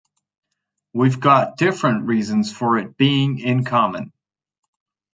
We’ve got different reasons for it being in common.